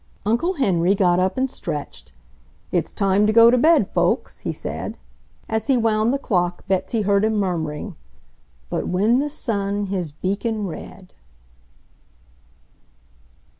Uncle Henry got up and stretched. "It's time to go to bed, folks," he said. As he wound the clock Betsy heard him murmuring: But when the sun his beacon red....